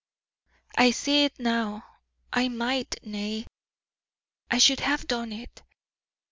"I see it now. I might, nay, I should have done it.